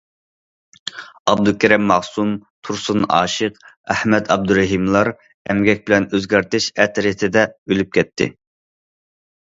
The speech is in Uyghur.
ئابدۇكېرىم مەخسۇس، تۇرسۇن ئاشىق، ئەخمەت ئابدۇرېھىملار ئەمگەك بىلەن ئۆزگەرتىش ئەترىتىدە ئۆلۈپ كەتتى.